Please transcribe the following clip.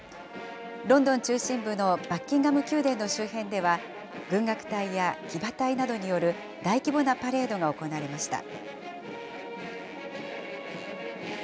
ロンドン中心部のバッキンガム宮殿の周辺では、軍楽隊や騎馬隊などによる大規模なパレードが行われました。